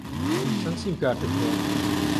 چەند سیمکارتت هەیە؟